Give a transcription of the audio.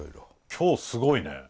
今日すごいね。